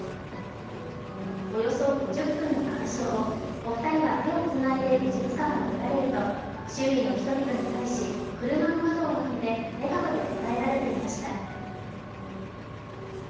およそ５０分の鑑賞後、お二人は手をつないで美術館を出られると、周囲の人々に対し、車の窓を開けて笑顔で応えられていました。